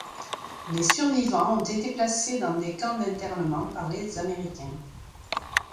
Les survivants ont été placés dans des camps d'internement par les Américains.